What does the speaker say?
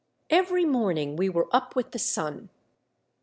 Every morning we were up with the sun.